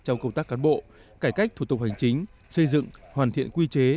trong công tác cán bộ cải cách thủ tục hành chính xây dựng hoàn thiện quy chế